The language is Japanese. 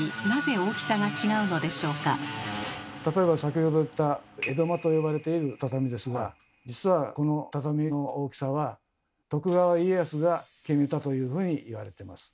例えば先ほど言った江戸間と呼ばれている畳ですが徳川家康が決めたというふうにいわれてます。